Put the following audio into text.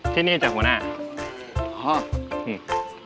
ที่นี่จากหัวหน้าฮอปนี่